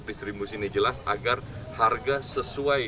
distribusi ini jelas agar harga sesuai